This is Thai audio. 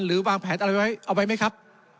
วางแผนอะไรไว้เอาไว้ไหมครับ